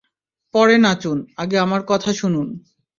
পরে নাচুন, আগে আমার কথা শুনুন।